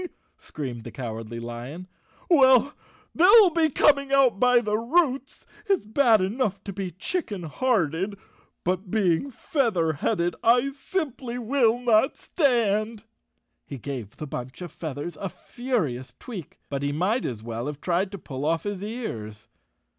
screamed the Cowardly Lion. "Well, they'll be coming out by the roots. It's bad enough to be chicken hearted, but being feather headed, I simply 164 _ Chapter Twelve will not standi " He gave the bunch of feathers a furi¬ ous tweak, but he might as well have tried to pull off his ears.